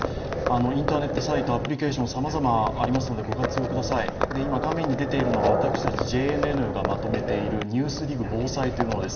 インターネットサイト、アプリケーションさまざまありますのでご活用ください、今、画面に出ているのが私たちＪＮＮがまとめている「ＮＥＷＳＤＩＧ防災」です。